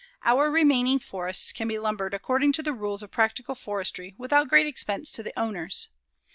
Our remaining forests can be lumbered according to the rules of practical forestry without great expense to the owners.